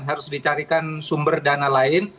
harus dicarikan sumber dana lain